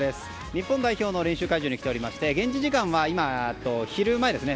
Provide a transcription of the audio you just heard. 日本代表の練習会場に来ておりまして現地時間は今、昼前ですね。